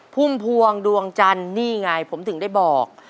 พุ่มพวงดวงจันทร์นี่ไงผมถึงได้บอก